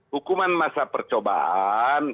hukuman masa percobaan